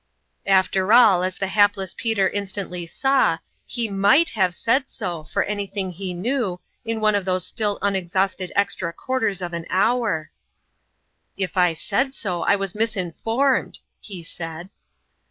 " After all, as the hapless Peter instantly saw, he might have said so, for anything he knew, in one of those still unexhausted extra quarters of an hour !" If I said so, I was misinformed," he said.